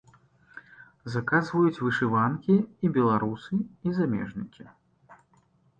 Заказваюць вышыванкі і беларусы, і замежнікі.